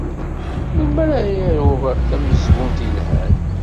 Melmi ara aruɣ tamezgunt yelhan?